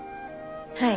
はい。